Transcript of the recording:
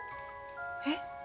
えっ？